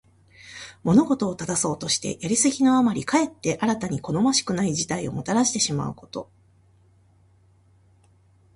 物事を正そうとして、やりすぎのあまりかえって新たに好ましくない事態をもたらしてしまうこと。「枉れるを矯めて直きに過ぐ」とも読む。